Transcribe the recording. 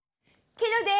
ケロです！